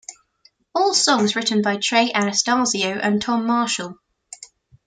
All songs written by Trey Anastasio and Tom Marshall.